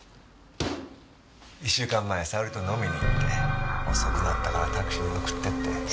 １週間前沙織と飲みに行って遅くなったからタクシーで送ってって。